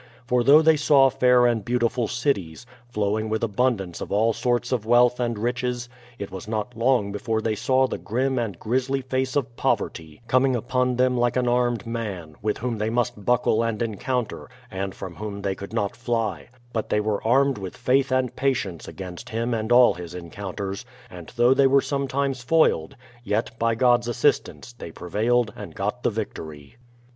For though they saw fair and beautiful cities, flowing with abundance of all sorts of wealth and riches, it was not long before they saw the grim and grisly face of poverty coming upon them like an armed man, with whom they must buckle and encounter, and from whom they could not fly; but they were armed with faith and patience against him and all his encounters ; and though they were sometimes foiled, yet, by God's assist ance, they prevailed and got the victory.